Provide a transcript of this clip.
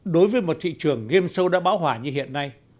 đối với một thị trường game show đã bão hỏa như hiện nay